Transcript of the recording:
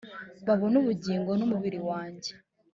babone ubugingo ni umubiri wanjye